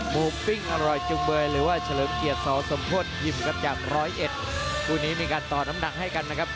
กิ้งเพชรยอพญายุ่งที่สุดท้าย